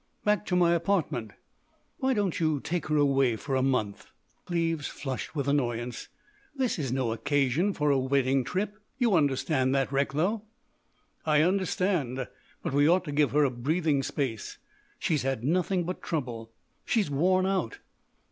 "Back to my apartment." "Why don't you take her away for a month?" Cleves flushed with annoyance: "This is no occasion for a wedding trip. You understand that, Recklow." "I understand. But we ought to give her a breathing space. She's had nothing but trouble. She's worn out."